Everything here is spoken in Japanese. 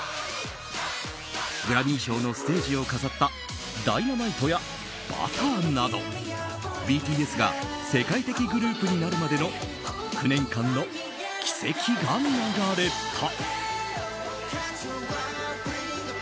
グラミー賞のステージを飾った「Ｄｙｎａｍａｉｔｅ」や「Ｂｕｔｔｅｒ」などＢＴＳが世界的グループになるまでの９年間の軌跡が流れた。